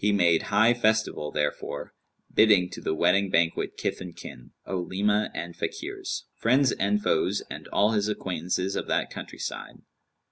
He made high festival therefor, bidding to the wedding banquet kith and kin, Olema and Fakirs; friends and foes and all his acquaintances of that countryside.